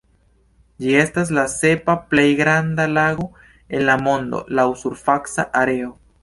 Ĝi estas la sepa plej granda lago en la mondo laŭ surfaca areo.